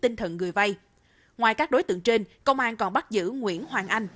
ngoài các đối tượng trên công an còn bắt giữ nguyễn hoàng anh